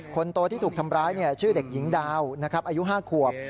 คนโตที่ถูกทำร้ายชื่อเด็กหญิงดาวนะครับอายุ๕ขวบ